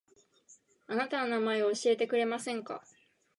あなたの名前を教えてくれませんか